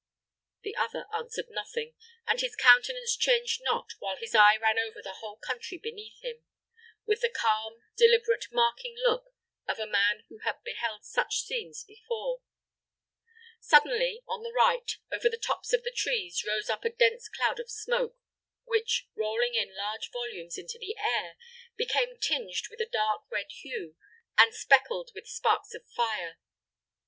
The other answered nothing, and his countenance changed not while his eye ran over the whole country beneath him, with the calm, deliberate, marking look of a man who had beheld such scenes before. Suddenly, on the right, over the tops of the trees, rose up a dense cloud of smoke, which, rolling in large volumes into the air, became tinged with a dark red hue, and speckled with sparks of fire.